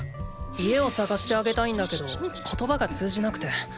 家を探してあげたいんだけど言葉が通じなくて。